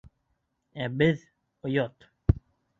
Ә беҙ... оят!